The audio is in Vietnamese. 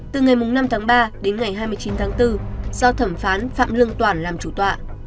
từ ngày năm tháng ba đến ngày hai mươi chín tháng bốn do thẩm phán phạm lương toản làm chủ tọa